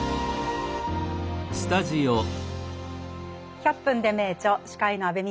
「１００分ｄｅ名著」司会の安部みちこです。